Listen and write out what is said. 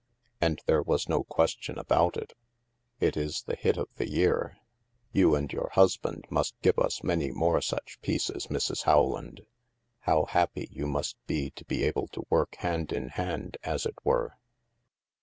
And there was no question about it. It is the hit of the year. You and your husband must give us many more such pieces, Mrs. Rowland! How happy you must be to be able to work hand in hand, as it were."